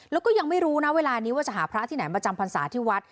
แล้วก็ยังไม่รู้นะเวลานี้ว่าจะหาพระที่ไหนมาจำพรรษาที่วัด